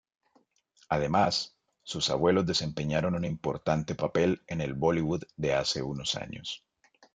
Además, sus abuelos desempeñaron un importante papel en el Bollywood de hace unos años.